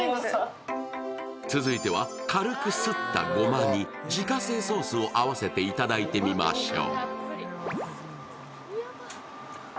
続いては、軽くすったごまに自家製ソースを合わせていただいてみましょう。